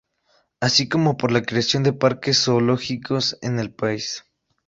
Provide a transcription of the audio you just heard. Así como por la creación de parques zoológicos en el país.